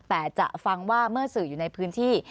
แต่จะฟังว่าเมื่อสื่ออยู่ในพื้นที่